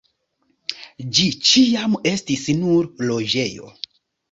Ĝi ĉiam estis nur loĝejo.